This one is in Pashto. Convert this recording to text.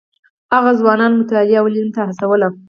هغه ځوانان مطالعې او علم ته هڅول.